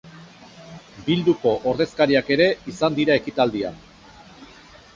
Bilduko ordezkariak ere izan dira ekitaldian.